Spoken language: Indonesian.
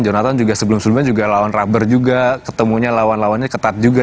jonathan juga sebelum sebelumnya juga lawan rubber juga ketemunya lawan lawannya ketat juga